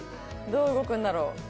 どう動くんだろう？